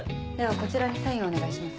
こちらにサインをお願いします。